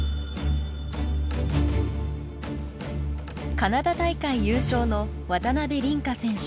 カナダ大会優勝の渡辺倫果選手。